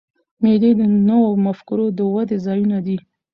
مېلې د نوو مفکورې د ودي ځایونه دي.